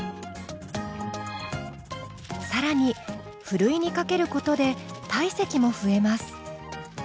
更にふるいにかけることで体積も増えます。